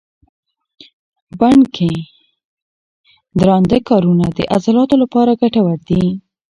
بڼ کې درانده کارونه د عضلاتو لپاره ګټور دي.